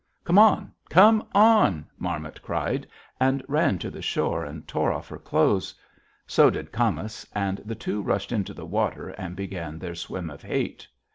"'Come on! Come on!' Marmot cried, and ran to the shore and tore off her clothes. So did Camas, and the two rushed into the water and began their swim of hate.